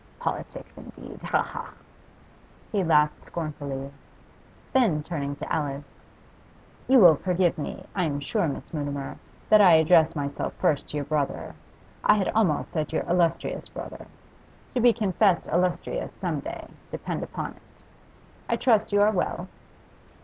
Politics, indeed! Ha, ha!' He laughed scornfully. Then, turning to Alice 'You will forgive me, I am sure, Miss Mutimer, that I address myself first to your brother I had almost said your illustrious brother. To be confessed illustrious some day, depend upon it. I trust you are well?